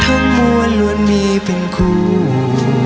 ทั้งมวลล้วนมีเป็นคู่